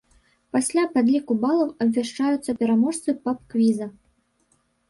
Пасля падліку балаў абвяшчаюцца пераможцы паб-квіза.